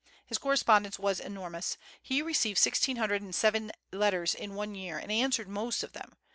His correspondence was enormous, he received sixteen hundred and seven letters in one year, and answered most of them.